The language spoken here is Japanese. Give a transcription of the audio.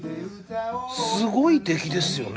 すごい出来ですよね